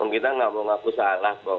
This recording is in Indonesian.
kita tidak mau mengaku salah